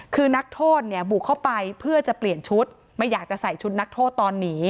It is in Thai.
คือนักโทษเนี่ยบุกเข้าไปเพื่อจะเปลี่ยนชุดไม่อยากจะใส่ชุดนักโทษตอนหนี